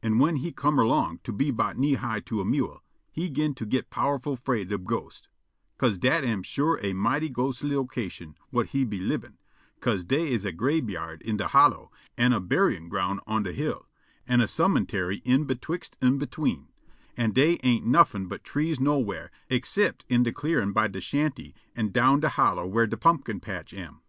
An' whin he come erlong to be 'bout knee high to a mewel, he 'gin to git powerful 'fraid ob ghosts, 'ca'se dat am sure a mighty ghostly location whut he lib' in, 'ca'se dey 's a grabeyard in de hollow, an' a buryin' ground on de hill, an' a cemuntary in betwixt an' between, an' dey ain't nuffin' but trees nowhar excipt in de clearin' by de shanty an' down de hollow whar de pumpkin patch am.